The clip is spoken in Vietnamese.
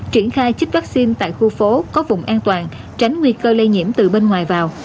triển khai chích vaccine tại khu phố có vùng an toàn tránh nguy cơ lây nhiễm từ bên ngoài vào